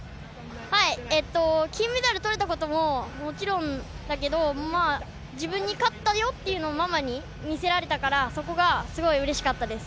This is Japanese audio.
はい、金メダル取れたことももちろんだけど、自分に勝ったよっていうのをママに見せられたから、そこはすごいうれしかったです。